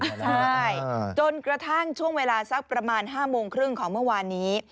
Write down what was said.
ใช่จนกระทั่งช่วงเวลาสักประมาณ๕โมงครึ่งของเมื่อวานนี้